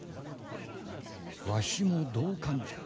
わしも同感じゃ。